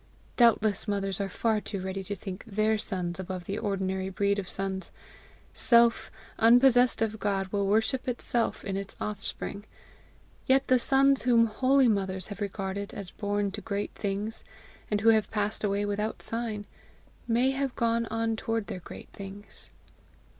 Doubtless mothers are far too ready to think THEIR sons above the ordinary breed of sons: self, unpossessed of God, will worship itself in its offspring; yet the sons whom HOLY mothers have regarded as born to great things and who have passed away without sign, may have gone on toward their great things.